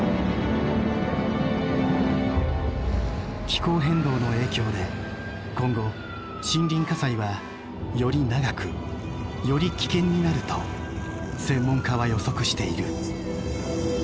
気候変動の影響で今後森林火災はより長くより危険になると専門家は予測している。